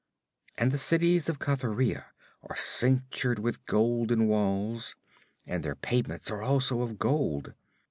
And the cities of Cathuria are cinctured with golden walls, and their pavements also are of gold.